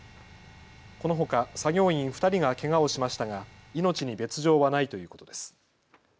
このほか作業員２人がけがをしましたが命に別状はないということです。